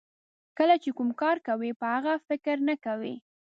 کله چې کوم کار کوئ په هغه فکر نه کوئ.